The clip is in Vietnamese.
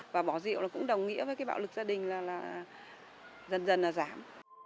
và bỏ rượu là cũng đồng nghĩa với cái bạo lực gia đình là dần dần là giảm